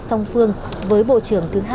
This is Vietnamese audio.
song phương với bộ trưởng thứ hai